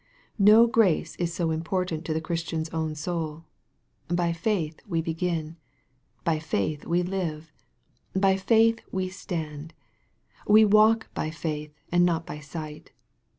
No grace is so important to the Christian's own soul. By faith we begin. By faith we live. By faith we stand. We walk by faith and not by sight.